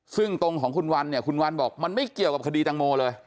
ซึ่งตรงของคุณวันเนี่ยคุณวันบอกมันไม่เกี่ยวกับคดีตังโมเลย